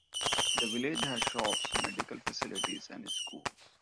The village has shops, medical facilities and schools.